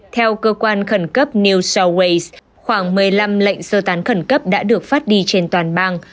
theo cơ quan khẩn cấp new south wales khoảng một mươi năm lệnh sơ tán khẩn cấp đã được phát đi trên toàn bang